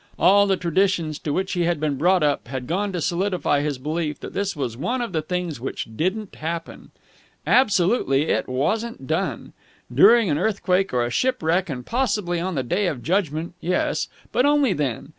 All the traditions to which he had been brought up had gone to solidify his belief that this was one of the things which didn't happen. Absolutely it wasn't done. During an earthquake or a shipwreck and possibly on the Day of Judgment, yes. But only then.